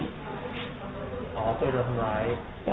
อ๋อตัวโดนทำร้าย